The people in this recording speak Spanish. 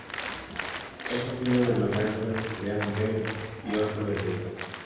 Es sobrino de los maestros León de Greiff y Otto de Greiff.